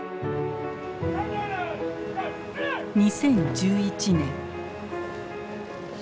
２０１１年。